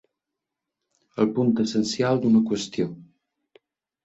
El punt essencial d'una qüestió.